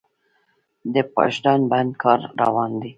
د پاشدان بند کار روان دی؟